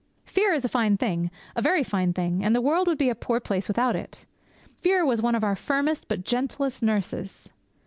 Fear is a fine thing, a very fine thing; and the world would be a poor place without it. Fear was one of our firmest but gentlest nurses.